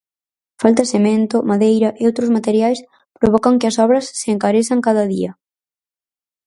Falta cemento, madeira e outros materiais provocan que as obras se encarezan cada día.